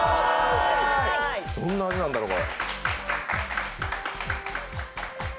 どんな味なんだろう。